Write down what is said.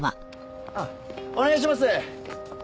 あっお願いします！